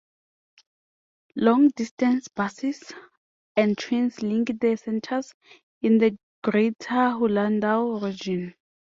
Long-distance buses and trains link the centers in the greater Huludao region.